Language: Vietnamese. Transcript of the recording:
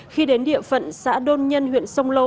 khi đến địa phận xã đôn nhân huyện sông lô